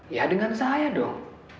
ya dengan saya dong